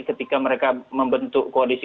ketika mereka membentuk koalisi